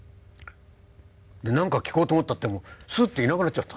何か聞こうと思ったってスッといなくなっちゃった。